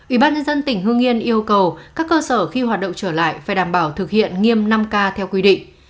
ubnd tỉnh hương yên yêu cầu các cơ sở khi hoạt động trở lại phải đảm bảo thực hiện nghiêm năm k theo quy định